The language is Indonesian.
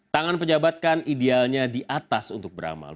tangan pejabat kan idealnya di atas untuk beramal